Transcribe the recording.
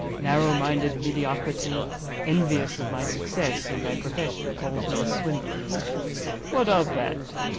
Narrow minded mediocrity, envious of my success in my profession, calls me a Swindler. What of that?